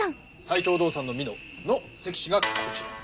斎藤道三の美濃の関市がこちら。